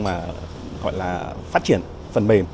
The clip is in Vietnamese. mà gọi là phát triển phần mềm